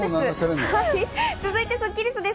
続いてスッキりすです。